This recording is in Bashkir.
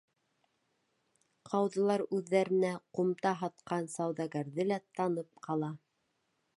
Ҡауҙылар үҙҙәренә ҡумта һатҡан сауҙагәрҙе лә танып ҡала.